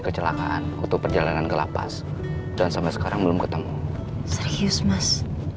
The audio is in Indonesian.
kecelakaan waktu perjalanan ke lapas dan sampai sekarang belum ketemu serius mas